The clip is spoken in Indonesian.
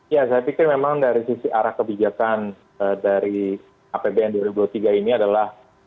ya saya pikir memang dari sisi arah kebijakan dari apbn dua ribu dua puluh tiga ini adalah